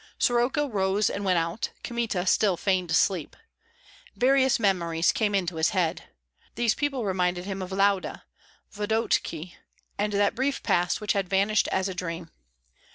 Soroka rose and went out; Kmita still feigned sleep. Various memories came to his head. These people reminded him of Lauda, Vodokty, and that brief past which had vanished as a dream.